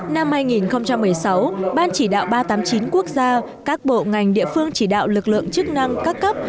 năm hai nghìn một mươi sáu ban chỉ đạo ba trăm tám mươi chín quốc gia các bộ ngành địa phương chỉ đạo lực lượng chức năng các cấp